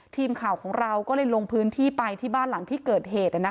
ทีมข่าวของเราก็เลยลงพื้นที่ไปที่บ้านหลังที่เกิดเหตุ